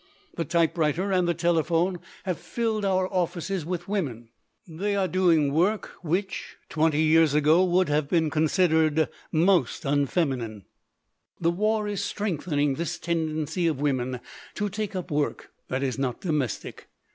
The typewriter and the telephone have filled our offices with women. They are doing work which twenty years ago would have been considered most unfeminine. "The war is strengthening this tendency of women to take up work that is not domestic.